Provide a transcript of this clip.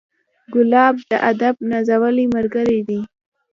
ګلاب د ادب نازولی ملګری دی.